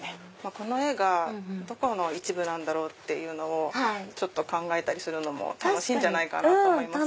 この絵がどこの一部だろう？って考えたりするのも楽しいんじゃないかなと思います。